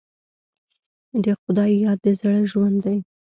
د خدای یاد د زړه ژوند دی.